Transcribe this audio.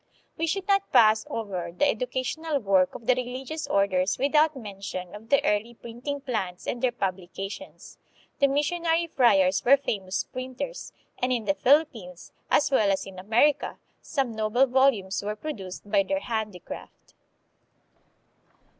We should not pass over the educational work of the religious orders without mention of the early printing plants and their publications. The missionary friars were famous printers, and in the Philippines, as well as in Amer ica, some noble volumes were produced by their handi craft.